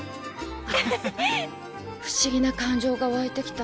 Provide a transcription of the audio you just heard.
不思議な感情がわいてきた。